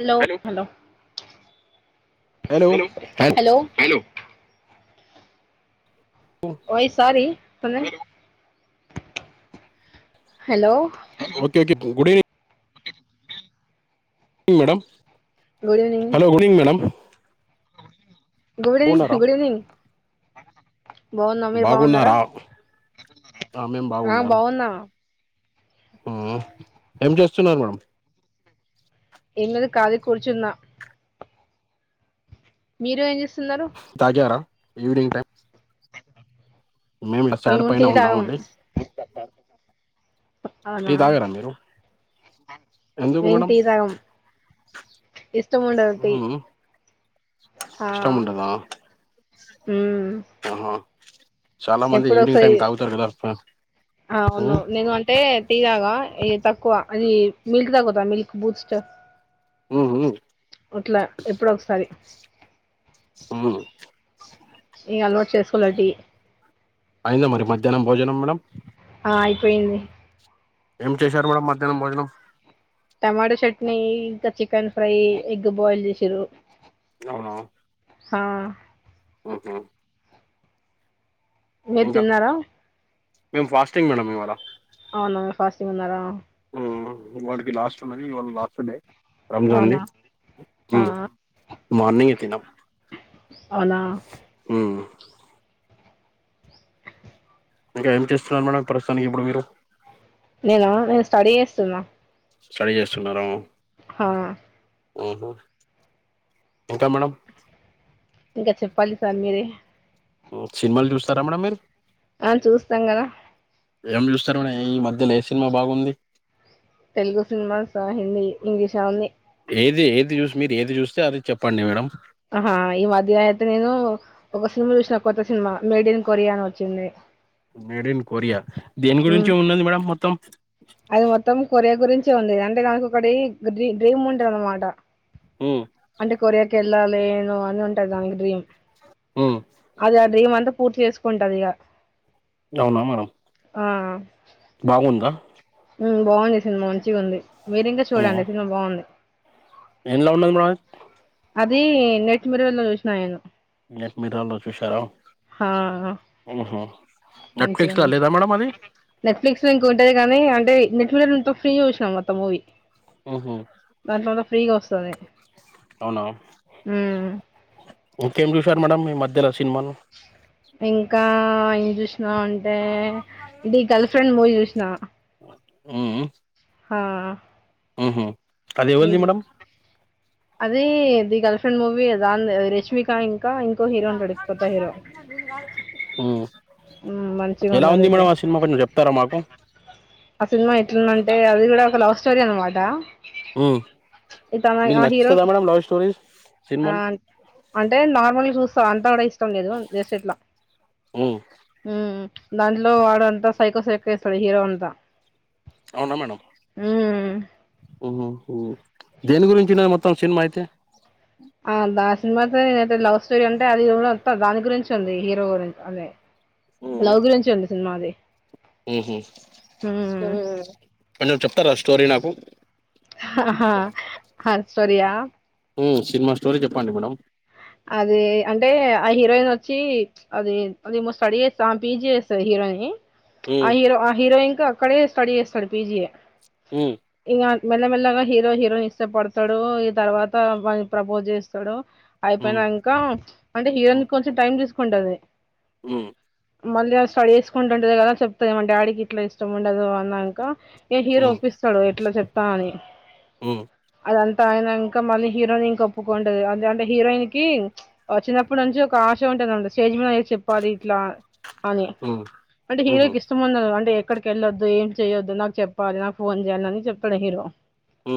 Hello hello హ hello hello ఓయ్ sorry hello okay ఓక గుడ్ ఈవిెంగ్ ఏంగ్ madam hello good evening madam అ గుడ్ ఈవనింగ్ బాగున్నారా గుడ్ ఈవనింగ్ బాగున్నా మీరు బాగున్నారా ఆ మేము ఆ బాగున్నారు బాగున్నా ఏం చేస్తున్నారు మేడమ్ ఎమ్ లెధు కలీగా కుర్చుంన మీరు ఏం చేస్తున్నారు తగ్యార ఈవినింగ్ టైమ్ మము టీ పైన తగం ఉన్నామండి టీ అవునా తాగారా మీరు ఎందుకు మేం మేడం టీ తగం ఇష్టము ఉండదు టీ ఆ ఇష్టము ఉండదా మ్మ్ ఆహా చాలా మంది ఎప్పుడో ఈవినింగ్ టైం వోమ్క్సేర్ తాగుతారు కదా అవును ఉమ్, నేను అంటే టీ తాగ తక్కువ అది మిల్క్ తాగుతా మిల్క్ బూస్ట్ ఉమ్, అట్లా ఎప్పుడ ఒకసారి మ్మ్ ఇ అలవాడ్ చేసుకోలేటి అయిందా మరి మధ్యాహ్నం భోజనం మేడం ఆ అయిపోయింది ఏం చేశారు మేడం మధ్యాహ్నం భోజనం టమాటో చట్నీ ఇంకా చికెన్ ఫ్రై ఎగ్ బాయిల్ చేసిరు అవునా ఆ ఆహా మీరు తిన్నారా మేము ఫాస్టింగ్ మేడం ఇవాళ ఫస్ంగ్ మన్నర వాడికి లాస్ట్ ఉన్నది వావాళ లాస్ట్ డే రంజాన్ ది అవునా ఆ తిన్నం మార్నింగ్ తిన్నం అవునా ఇంకా ఏం చేస్తున్నారు మేడం ప్రస్తుతానికి ఇప్పుడు మీరు నేను నేను స్టడీ చేస్తున్నా స్టడీ చేస్తున్నార హా ఆహో ఇంకా మేడం ఇంకా చెప్పాలి సార్ మీరే సినిమాలు చూస్తారా మేడం మీరు ఆ చూస్తాం కదా ఏం చూస్తారు మేడం ఈ మధ్యలో ఏ సినిమా బాగుంది తెలుగు సినిమాస్ హిందీ ఇంగ్లీష్ అవన్నీ ఏది ఏది చూస్తే మీరు ఏది చూస్తే అది చెప్పండి మేడం ఆహా ఈ మధ్య అయితే నేను ఒక సినిమా చూసిన కొత్త సినిమా మేడ్ ఇన్ కొరియా అని వచ్చింది మేడ్ ఇన్ కొరియా దేని గురించి ఉమ్ ఉన్నది మేడం మొత్తం అది మొత్తం కొరియా గురించే అంటే దానికి ఒకటి డ్రీమ్ ఉంటది అన్నమాట హ్మ్ అంటే కొరియాక వెళ్లాలి ను అని ఉంటాయి దానికి డ్రీమ్ హ్మ్ అది ఆ డ్రీమ్ అంత పూర్తి చేసుకుంటుందిగా అవునా మేడం బాగుందా బాగుంది సినిమా మంచిగా ఉంది మీరు ఇంకా చూడండి సినిమా బాగుంది ఎల్ల ఉన్నది మేడం అది నెట్ మిర్రర్ లో చూసినా నేను నెట్ మిర్రర్ లో చూశారా ఆహా మంచిగా ఉంది నెట్ఫ్లిక్స్ ఇంక ఉంటేది కానీ అంటే నెట్ంతో ఫ్రీగా చూసినాం మొత్తం మూవీ దాంట్లో అంతా ఫ్రీగా వస్తది అవునావు హ్మ్ ఇకేం చూసారు మేడం ఈ మధ్యలో సినిమాలు? ఇంకా టీవీ చూస్ చూ అంటే ఇది గర్ల్ ఫ్రెండ్ మూవీ చూసినా ఉమ్ ఆ ఉ ఉమ్ అది ఎవరిది మేడం అదే ది గర్ల్ ఫ్రెండ్ మూవీ దానిది రెష్మిక ఇన్ ఉ హ్మ్. మంచిగా ఎలా ఉన్నది ఉంది ఇది మేడమ్ ఆ సినిమా కొంచెం చెప్తారా మాకు ఆ సినిమా ఎట్లుందంటే అది కూడా ఒక లవ్ స్టోరీ అనమాట మ్మ్ ఇతను మీకు ఆ హీరో నచ్చుతదా మేడం లవ్ స్టోరీస్ ఆ సినిమాలు అంటే నార్మల్ చూ సమంత కూడా ఇష్ సౌండ్ లేదు ఇట్లా చేస్తే ఎట్లా మ్మ్ ఉ దాంట్లో వాడంతా సైకో సైకో చేస్తాడు హీరో అంతా అవునా మేడం హ్మ్. ఉమ్ హు దేని గురించినా మొత్తం సినిమా అయితే ఆ దాసినమతే లవ్ స్టోరీ అంత అది కూడా త దాని గురించి ఉంది హీరో గురించి అదే లవ్ గురించి ఉంది ఉన్నది ఉ హు ఆ కొంచెం చెప్తారా ఆ స్టో స్టోరీ నాకు హ హ ఆ స్టోరీ యా ఉ సినిమా స్టోరీ చెప్పండి మేడం అది అంటే ఆ హీరోయిన్ వచ్చి అది అదేమో స్టడీ చేస్తా పీజీ చేస్తది హీరోయిని ఆ మ్మ్ హీరో ఆ హిరోయిన్ అక్కడే స్టడిచేస్తడు పీజీ మ్మ్ ఇంగాన్ మెల్లమెల్లగా హీరో హీరోయిన్ ఇష్ట పడతాడో ఈ తర్వాత వాని ప్రపోజ్ చేస్తాడో మ్మ్ అయిపోయినాంకా అంటే హీరోయిన్ కొంచెం టైం తీసు కుంటది ఉమ్ మళ్ళీ ఆ స్టడీ చేసుకుంటుంటుది కదా చెప్తుది మన డాడీకి ఇట్లా ఇష్టం ఉండదు అన్నాక ఏ హీరో మ్మ్ ఒప్పిస్తాడు ఇట్లా చెప్తా అని మ్మ్ అదంత అయినంక మళ్ళీ హీరోన్ ఇంక ఒప్పుకోండదు అది అంత హీరోయిన్ కి ఆ చిన్నప్పటి నుంచి ఒక ఆశ ఉంటాది అంట స్టేజ్ మీదఅయితే చెప్పాలి ఇట్లా అని మ్మ్ అంటే మ్మ్ హీరోకి ఇష్టం ఉండదండి అక్కడికిెళ్ళొద్దు ఏం చేయొద్దు నాకు చెప్పాలి నాకు ఫోన్ చేయాలి అని చెప్పాడు హీరో హు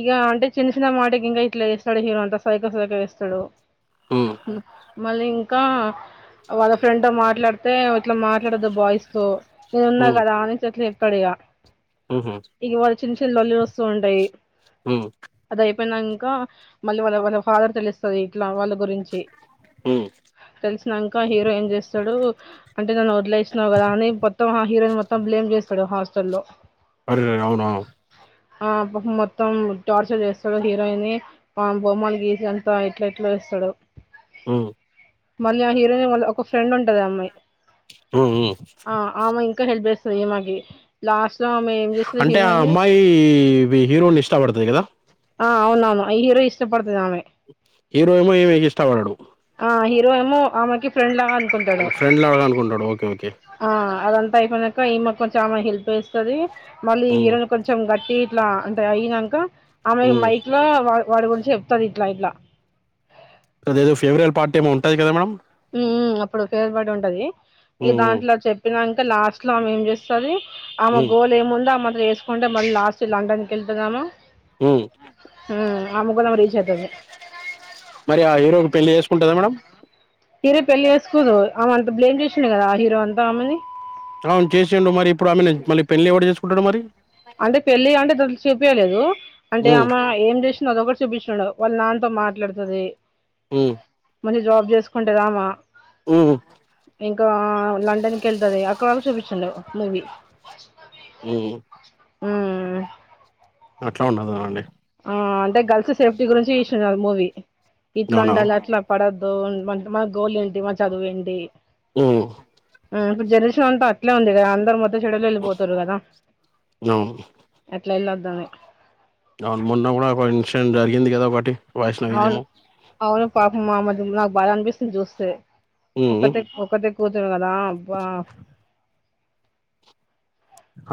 ఇగ అంటే చిన్న చిన్న మాట గింగా ఇట్లా చేస్తాడు హీరో అంత సైకొ సైకొ చెస్తాడు ఉ మల్లింకా వాళ్ళ ఫ్రెడ్ తో మాట్లాడు తే ఇట్లా మాట్లాడద్దు బాయ్స్ తో నేను ఉన్నా కదా అనేసి అట్లే తడిగా మ్ హు చిన్న చిన్న లోళ్ళులు వస్తు ఉంటాయి హు యింకా మళ్ళీ వాళ్ళ వా ఫాదర్ తెలుస్తుంది ఇట్లా వాళ్ళ గురించి హు శినాంకా హీరోయిన్ చేస్తాడు అంటే నన్ను వదిలేసినావు కదా అని మొత్తం ఆ హీరోయిన్ని మొతం బ్లేమ్ చేస్తాడు హాస్టల్లో అరే అవునా ఆ మొత్తం టార్చర్ చేస్తాడు హీరోయిన్ని ఆ బొమ్మలు గీసి ఇ అంత ఇట్లా ఇట్లా చెస్తాడు ఆ మళ్ళీ ఆ హీరోయిన్ వాళ్ళఒక ఫ్రెండ్ ఉంటది అమ్మాయి ఆ ఆ ఆమె ఇంకా హెల్ప్ చేస్తది ఈమెకి లాస్ట్ లో ఆమె ఏం చేస్తది అంటే ఆ హీరోయిన్ అమ్మాయి హీరోని ఇష్టపడుతది కదా ఆ అవునవును ఈ హీరో ఇష్టపడుతది ఆమె హీరో ఏమో ఈమేకి ఇష్టం పడడు ఆ హీరో ఎమో ఈమెకి ఫ్రెండ్లాగా ఫ్రెండ్ లాగా అనుకుంటడు ఓకే ఓకే పోనక ఈమె కొంచెం ఆమెకు హెల్ప్ చెస్తది మళ్ళీ ఉమ్ హీరోన్ కొంచెం గట్టి టీట్లా అంటే అయినాక ఆమె ఉమ్ మైక్లా వా వాడి గురించి చెప్తాది ఇట్లా ఇట్లా అదేదో ఫేవరబల్ పార్టీ ఏమొ ఉంటది కదా మేడం మ్ హు అప్పుడు ఫేవరేల్ పార్టీ ఉంటది ఈ ఉమ్ దాంట్లో చెప్పినాం లాస్ట్ లో ఆమె ఏం చేస్తది ఆమ ఉమ్ గోల్ ఏం ఉందో వేసుకుంటే మళ్ళీ లాస్ట్ లండన్కి వెళ్తుధమ ఉమ్ ఆ ఆ ముగ్గురం రీచెతదీ మరి ఆ ఏడుగురు పెళ్లి చేసుకుంటదా మేడమ్ పెళ్లి చేేసుకోదు ఆమె అంత బ్లేమ్ చేసిడు కదా హీరో అంతా ఆమెని అవును చేసిండు మరి ఇప్పుడు ఆమెను మళ్ళీ పెళ్లి ఎవడుచేసుకుంటాడు మరి చెపియలేదు అంటే ఉమ్ అమఏం చేస్తది ఒకటి చూపించిడు వాళ్ళు నాన్నతో మాట్లాడుతంది హు జాబ్ చేసుకుంఅమా ఇంకా లండన్ కి వెళ్తుది అక్కడ చూపిచు హలో మూవీ హు హుం. హుం అట్లా ఉండదు అండి అంటే గర్ల్స్ సేఫ్టీ గురించి తిసున్నారు మూవీ ఇట్లా అవునా ఉండాల అట్లా పడదు మా గోల్ ఏంటి మా చదువు ఏంటి హుం హు జనరేషన్స్ అంత అట్లనే ఉంది కదా అందరూ. మొం చెడుల వెళ్ళ పోతుారు కదా అవును అట్లా ఎలాదానీ అని మొన్న కొంచెం జరిగింది కదా ఒకటి అవును వైష్ణవిదేమో అవును పాపం ఆమెదేమో నాకు బాధనిపిస్తుంది చూస్తే ఉమ్ ఒకతే కు. ఒకతే కూతురు దా అబ్బా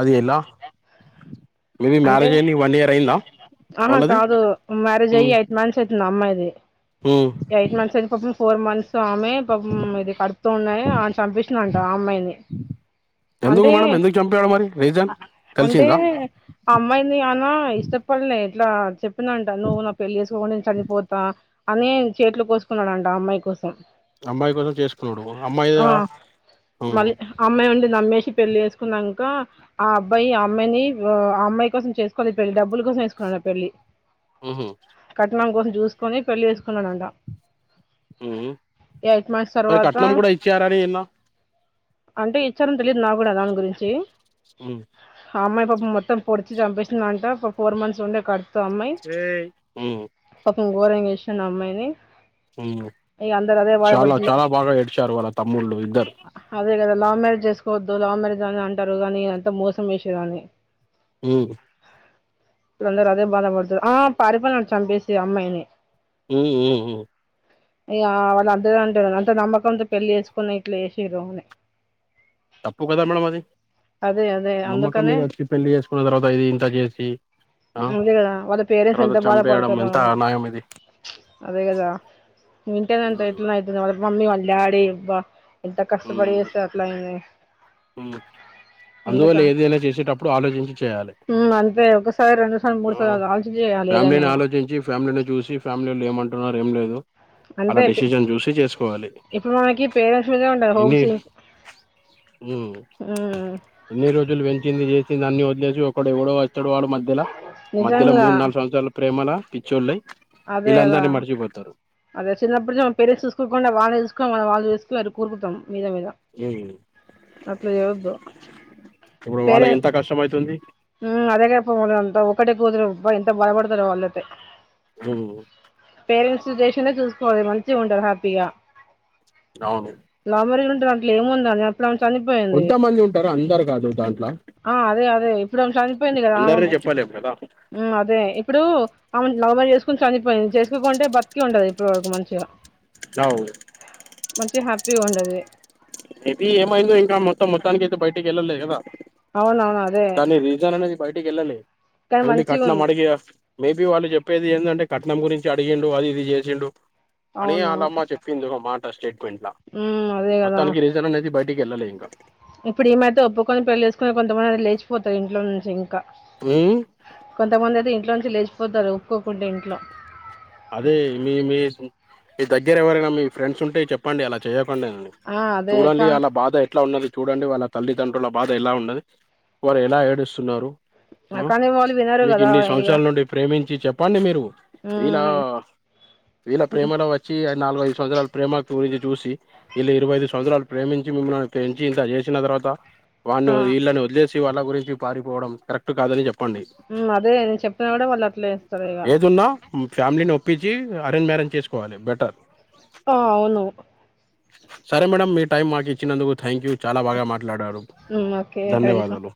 అది ఎలా మేబీ అంటే మ్యారేజ్ అయింది వన్ ఇయర్ అయిందా ఆహా వాళ్ళది కాదు మ్యారేజ్ ఉమ్ అయ్యి అయితే యైతు మంత్స్ అయి నమ్మ ఇది ఉమ్ యట్ మంత్స్ అయిపోతుంది య ఫోర్ మంత్స్ అమె పాపం ఇది కడుపుతూ ఉన్నాయి చంపేసిండట ఆ అమ్మాయిని ఎందుకు అంటే మేడం ఎందుకు చంపాడు మరి రీజన్ అంటే తెలిసిందా ఆ అమ్మాయిని ఆయన ఇష్టపల్లెఎట్లా చెప్పినంట నువ్వు నా పెళ్ళి చేసుకోకుండా నేను చనిపోతా అని చేతులు కోసుకున్నాడంట ఆ అమ్మాయి కోసం అమ్మాయి కోసం చేసుకున్నాడు అమ్మాయి. ఆ అ మళ్ళీ అమ్మాయి ఉండి నమ్మేసి పెళ్ళి చెసుకున్నాక ఆ అబ్బాయి అమ్మాయి అమ్మా కోసం చేసుకోలి పెళ్లి డబ్బుల కోసం చేసుకున్నాడు పెళ్లి ఆహ కట్నం కోసం చూసుకొని పెళ్లి చేసుకున్నానంట మరి తర్వాత కట్నం కూడా అయిచ్చ ఆరని ఎన్న అంటే ఇచ్చార తెలిదు నా కూడా దాని గురించి అ ఆమ్మాయిప మొత్తం పొడిచి చంపిస్తుంది అంట ఇ ఫోర్ మంత్స్ ఉండే కడుపు స రంగేశన్ అమ్మాయిని ఇగ అందరు అదే చాలా బాధపడుతులు చాలా బాగా ఏడ్చారు వాళ్ళ తమ్ముళ్ళు ఇద్దరు అదే కదా లవ్ మ్యారేజ్ చేసుకోవద్దు లవ్ మ్యారేజ్ అని అంటారు కాగానీంత మోసం వేసేదాని అ ఇందారు అదే బాధపడుతుారు ఆ పరిప నచాంేసి అమ్మాయినే ఉమ్ అయ వాళ్ళు అంత అంటారు అంత నమ్మకంతో పెళ్లి వేసుకున్న ఇట్లా వేస్ర అని తప్పు కదా మేడమ్ అది అదే అదే మమ్మక్క అందుకనే మీద వచ్చి పెళ్ళ చేసు న్న తర్వాత ఇది ఇంత చేసి ఆ అదే కదా వాళ్ళ పేరెంట్స్ తర్వాత ఎంత బాధ చంపేయడం పడతారు ఎంత అన్యాయం ఇది అదే కదా వింటేనేంత హ్మ్ ఎట్ అవుతుంది వాళ్ళ మమ్ీ వళడి ఇవ్వ ఎంత కష్టపడి హ్మ్ చేస్త అట్లా అందుక అందువల్ల ఏదైనా చేసేటప్పుడు ఆలోచించి చేయాలి ఉమ్ అంతే ఒకసారి రెండు సార్లు మూడు సార్లు కాదు ఆలోచించి చేయాలి ఏదైనా ఫ్యామిలీని కూడా ఆలోచించి ఫ్యామిలీని చూసి ఫ్యామిలీ వాళ్ళు ఏమంటున్నారు ఏ అంతే చేసుకోవాలి ఇప్పుడు మనకి పేరెంట్స్ మీద ఉంటారు హోమ్స్ ఎన్ని రోజులు పెంచింది చేసింది అన్ని వ ఒక ఎవడో వచ్చాడు వాడు మధ్యలో మధ్యలో నిజంగా మూడు నాలుగు సంవత్సరాల ప్రేమల పిచ్చోల్లై అదే కదా ఇళ్లాందరినీ మర్చిపోతారు అదే చిన్నప్పుడు మం పే చూసుకోకుడా వాళ్ళుేసుకోని మన వాళ్ళు చేసుకని అ కోరుకుతాం మీద మీద ఉమ్. అట్లా చేవద్దు ఇప్పుడు పేరే వాళ్ళకి ఎంత కష్టం అయితుంది అదే కాపో మ అంతా ఒకటే కూతురు బ ఎంత బయపడతారు వాళ్ళైతే ఓ పేరు సిచేషన్ చూసుకోవాలి మంచిగా ఉంటారు హ్యాపీగా అవును మరి ఉ ట్లే ఏమ ఉందనే ఇప్పుడు చనిపోయింది కొంతమంది ఉంటారు అందరు కాదు దాంట్లో ఆ అదే అదే ఇప్పుడు చనిపోయింది కదా అందరినీ చెప్పలేము కదా అదే ఇప్పుడు లవ్ మ్యారేజ్ చేసుకుని చనిపోయింది చేసుకోకుంటే బ్రతి ఉంటదు ఇప్పుడురు మంచిగా వు ప్పికండది మేబీ ఏమైందో ఇంకా మొత్తం మొత్తానికి అయితే బయటికి వెళ్ళలేదు కదా అవునవును అదే బైటకి గ వెళ్ాల కానీ ఓన్లీ మంచిగా కట్నం అడిగ మేబి వాళ్ళు చెప్పేది ఏంటంటే కట్నం గురించి అడిగిండు అది ఇది చేసిండు పనీ అవును అలమ్మ చెప్పింది ఒక మాట స్టేట్మెంట్లా హ్మ్. అదే గదా! తానికి రీజన్ అనేది బయకిళ్ళలేం ఇప్పుడు ఏమైతే ఒప్పుకొని పెళ్ళలి వేసుకునే కొంతమంది అది లేచిపోతారు ఇంట్లో నుంచి ఇంకా ఉమ్. కొంతమందిది ఇంట్లో నుంచి లేచిపోతారు ఒప్పుకోకుంంటే ఇంట్లో అదే మీ మీ మీ దగ్గర ఎవరైనా మీ ఫ్రెండ్స్ ఉంటే చెప్పండి అలా చెయక చదండి ఆ! అదే చూడండి కా వాళ్ళ బాధ ఎలా ఉన్నది చూడండి వాళ్ళ తల్లిదండ్రుల బాధ ఎలా ఉండది వారు ఎలా ఏడుస్తున్నారు ఆ కానీ వాళ్ళు వినరు మీకు గదా! ఇన్ని ఇగ సంవత్సరాల నుండి ప్రేమించి చెప్పండి మీరు వీళ్ళ హ్మ్. వీళ్ళ ప్రేమలో వచ్చి నాలుగు ఐదు సంవత్సరలు ప్రేమకు పూరి చూసి ఇలా ఇరవై ఐదు సంవత్సరాలు ప్రేమించి మిమ్మల్నిేంచి ఇంత చేసిన తర్వాత వాని ఆ! వీళ్ళని వదిలేసి వాళ్ళకు గురి పారిపోవడం కాదని చెప్పండి అదే నేను చెప్తున్నా కూడా వాళ్ళు అట్లే వస్తారు ఇక ఏదున్నా ఫ్యామిలీని ఒప్పించి అరేంజ్ మ్యారేజ్ చేసుకోవాలి బెటర్ ఆ అవును సర మేడంమ్ మీ టైమ్ మాకు ఇచ్చినందు థ్యాంక్ యూ చాలా బాగా మాట్లాడారు హ్మ్. ఓకే. వెల్కమ్. ధన్యవాదాలు